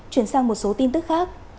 chuyển sang một số tin tức khác